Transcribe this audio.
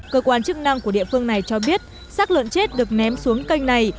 cơ quan chức năng của địa phương này cho biết sát lợn chết được ném xuống kênh này